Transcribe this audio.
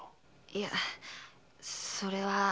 いやそれは。